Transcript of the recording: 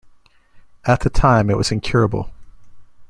At the time it was incurable.